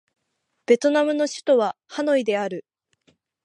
ベトナムの首都はハノイである